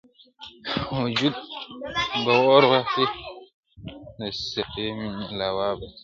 وجود به اور واخلي د سرې ميني لاوا به سم,